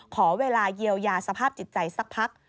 ขอเวลาเยียวยาสภาพจิตใจสักพัก